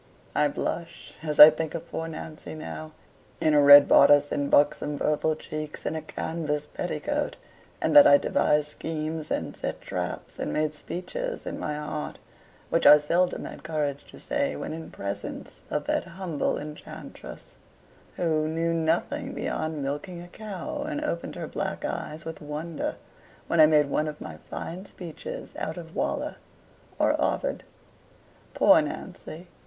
I blush as I think of poor Nancy now, in a red bodice and buxom purple cheeks and a canvas petticoat; and that I devised schemes, and set traps, and made speeches in my heart, which I seldom had courage to say when in presence of that humble enchantress, who knew nothing beyond milking a cow, and opened her black eyes with wonder when I made one of my fine speeches out of Waller or Ovid. Poor Nancy!